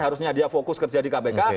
harusnya dia fokus kerja di kpk